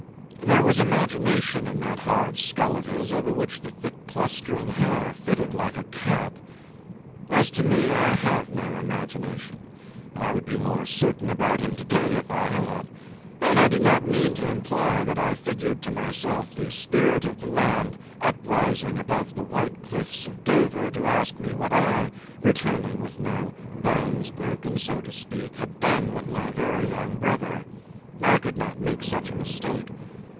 There was imagination in that hard skull of his, over which the thick clustering hair fitted like a cap. As to me, I have no imagination (I would be more certain about him today, if I had), and I do not mean to imply that I figured to myself the spirit of the land uprising above the white cliffs of Dover, to ask me what I returning with no bones broken, so to speak had done with my very young brother. I could not make such a mistake.